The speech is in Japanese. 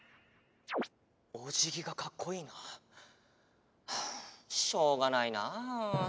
おじぎがかっこいいな。はあしょうがないな。